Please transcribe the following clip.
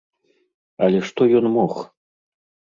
Але што ён мог?